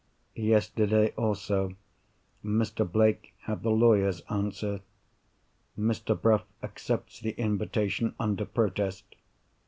Yesterday, also, Mr. Blake had the lawyer's answer. Mr. Bruff accepts the invitation—under protest.